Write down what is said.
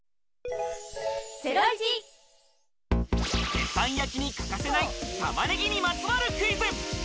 鉄板焼きに欠かせない玉ねぎにまつわるクイズ。